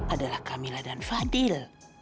adalah kamila dan fadil